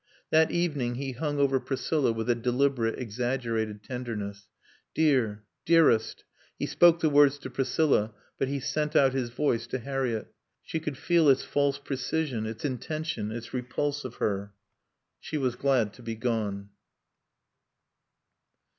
That evening he hung over Priscilla with a deliberate, exaggerated tenderness. "Dear.... Dearest...." He spoke the words to Priscilla, but he sent out his voice to Harriett. She could feel its false precision, its intention, its repulse of her. She was glad to be gone.